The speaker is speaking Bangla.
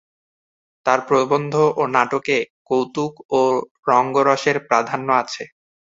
তাঁর প্রবন্ধ ও নাটকে কৌতুক ও রঙ্গরসের প্রাধান্য আছে।